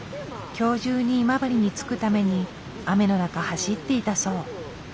今日中に今治に着くために雨の中走っていたそう。